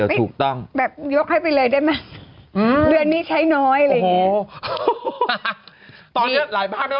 ถูกต้องแบบยกให้ไปเลยได้มั้ยเดือนนี้ใช้น้อยอะไรอย่างงี้